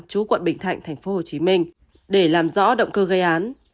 chú quận bình thạnh tp hcm để làm rõ động cơ gây án